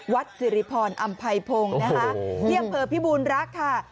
วัดจิริพรอัมพัยพงศ์เที่ยงเผลอพิบูรณ์รักษ์ค่ะ